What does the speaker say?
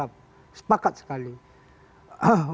tapi saya ingin mengingatkan kepada dpr